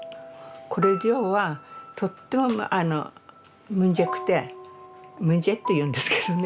これ以上はとってもむじぇくてむじぇっていうんですけどね